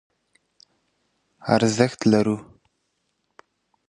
ارزښت لرو.